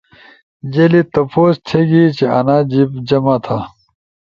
جیلی تپوس تھیگی چیانا جیِب جمع تھا۔